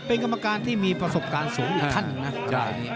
เป็นกรรมการที่มีประสบการณ์สูงอีกท่านนะ